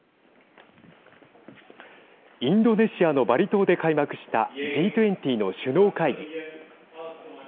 インドネシアのバリ島で開幕したＧ２０の首脳会議。